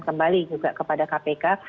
kembali juga kepada kpk